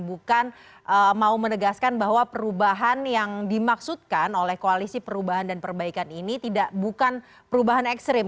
bukan mau menegaskan bahwa perubahan yang dimaksudkan oleh koalisi perubahan dan perbaikan ini bukan perubahan ekstrim